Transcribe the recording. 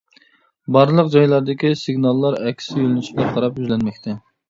بارلىق جايلاردىكى سىگناللار ئەكسى يۆلىنىشكە قاراپ يۈزلەنمەكتە.